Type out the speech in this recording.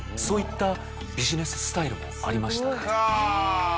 そういったビジネススタイルもありましたね。